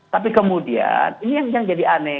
tapi kemudian ini yang jadi aneh